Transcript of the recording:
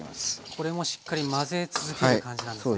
これもしっかり混ぜ続ける感じなんですね。